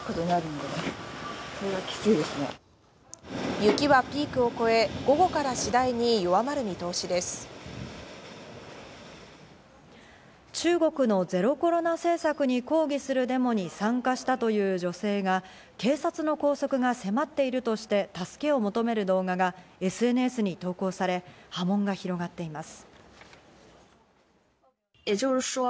雪はピークを越え、午後から中国のゼロコロナ政策に抗議するデモに参加したという女性が、警察の拘束が迫っているとして、助けを求める動画がＳＮＳに投稿され、波紋が拡がっています。